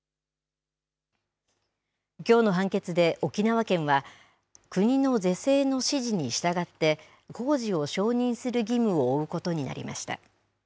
きょうの判決で沖縄県は、国の是正の指示に従って、工事を承認する義務を負うことになりました。